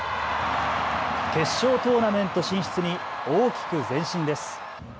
決勝トーナメント進出に大きく前進です。